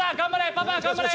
パパ頑張れ！